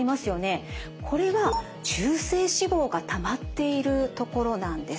これは中性脂肪がたまっているところなんです。